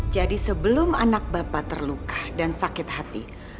jadi sebelum anak bapak terluka dan sakit hati